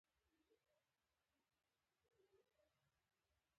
تاسو څو ځلې کانګې وکړې؟